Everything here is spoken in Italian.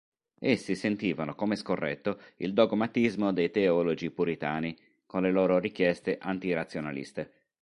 Essi sentivano come scorretto il dogmatismo dei teologi puritani, con le loro richieste anti-razionaliste.